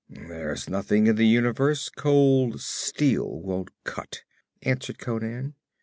'There's nothing in the universe cold steel won't cut,' answered Conan.